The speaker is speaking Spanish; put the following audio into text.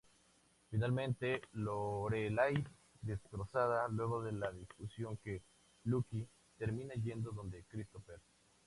Finalmente, Lorelai, destrozada luego de la discusión con Luke, termina yendo donde Christopher.